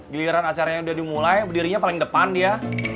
giliran acaranya udah dimulai berdirinya paling depan ya